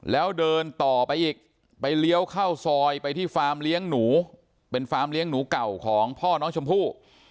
แล้วเดินต่อไปอีกไปเลี้ยวเข้าซอยไปที่ฟาร์มเลี้ยงหนูเป็นฟาร์มเลี้ยงหนูเก่าของพ่อน้องชมพู่